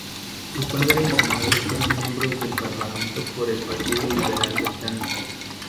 Su padre y su madre fueron miembros del Parlamento por el Partido Liberal británico.